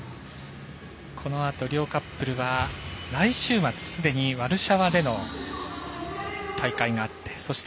このあと、両カップルは来週末すでにワルシャワでの大会があってそして